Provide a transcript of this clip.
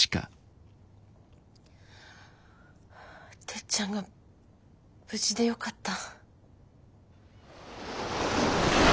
てっちゃんが無事でよかった。